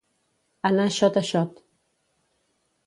Anar xot a xot.